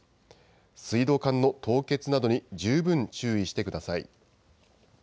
水道管の凍結などに十分注意してください。